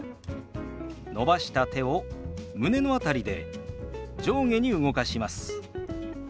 伸ばした手を胸の辺りで上下に動かします。